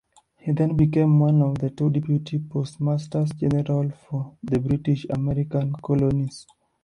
He then became one of two deputy postmasters-general for the British American colonies.